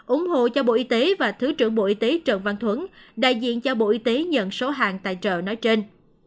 ủng hộ cho bộ y tế và thứ trưởng bộ y tế trần văn thuấn đại diện cho bộ y tế nhận số hàng tài trợ nói trên